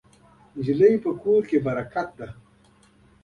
نجلۍ د کور برکت ده.